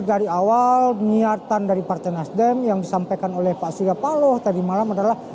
dari awal niatan dari partai nasdem yang disampaikan oleh pak surya paloh tadi malam adalah